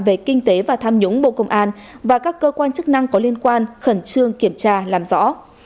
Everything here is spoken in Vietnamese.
về kinh tế và tham nhũng bộ công an và các cơ quan chức năng có liên quan khẩn trương kiểm tra làm rõ